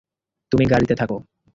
তুমি গাড়িতে থাকো।